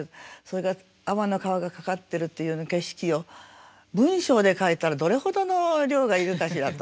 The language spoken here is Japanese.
それから天の川がかかってるというような景色を文章で書いたらどれほどの量がいるかしらと思うんです。